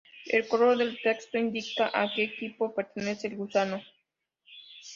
El color del texto indica a que equipo pertenece el gusano.